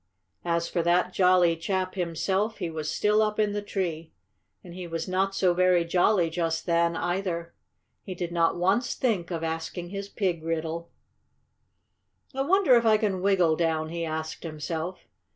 As for that jolly chap himself he was still up in the tree. And he was not so very jolly just then, either. He did not once think of asking his pig riddle. "I wonder if I can wiggle down?" he asked himself.